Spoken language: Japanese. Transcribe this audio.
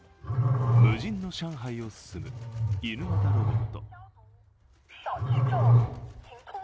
無人の上海を進むイヌ型ロボット。